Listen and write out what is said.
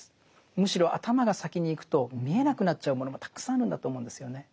むしろ頭が先にいくと見えなくなっちゃうものもたくさんあるんだと思うんですよね。